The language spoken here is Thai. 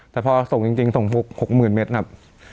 แต่พอส่งจริงส่งฟุก๖๐๐๐เมตรครับ